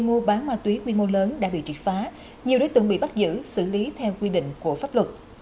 mua bán ma túy quy mô lớn đã bị triệt phá nhiều đối tượng bị bắt giữ xử lý theo quy định của pháp luật